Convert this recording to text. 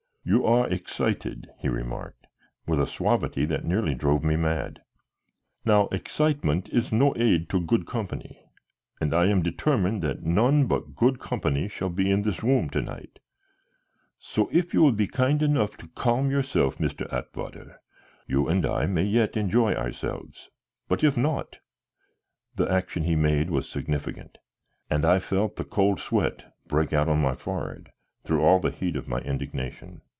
"You are excited," he remarked, with a suavity that nearly drove me mad. "Now excitement is no aid to good company, and I am determined that none but good company shall be in this room to night. So if you will be kind enough to calm yourself, Mr. Atwater, you and I may yet enjoy ourselves, but if not " the action he made was significant, and I felt the cold sweat break out on my forehead through all the heat of my indignation.